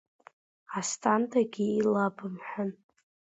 Асҭандагьы илабымҳәан…